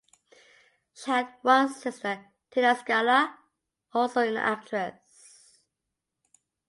She had one sister, Tina Scala, also an actress.